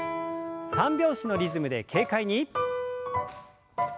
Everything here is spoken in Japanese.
３拍子のリズムで軽快に。